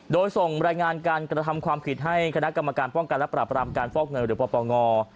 โดยส่งรายงานการกระทำความผิดให้คณะกรรมการป้องกันและปรับรามการฟอกเงินหรือปปง